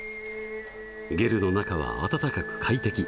ゲルの中は暖かく快適。